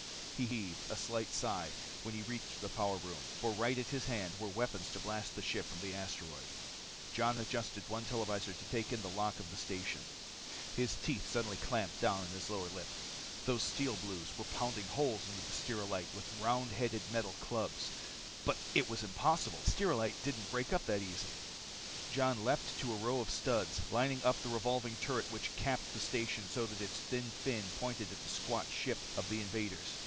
He heaved a slight sigh when he reached the power room, for right at his hand were weapons to blast the ship from the asteroid. Jon adjusted one televisor to take in the lock to the station. His teeth suddenly clamped down on his lower lip. Those Steel Blues were pounding holes into the stelrylite with round headed metal clubs. But it was impossible. Stelrylite didn't break up that easily. Jon leaped to a row of studs, lining up the revolving turret which capped the station so that its thin fin pointed at the squat ship of the invaders.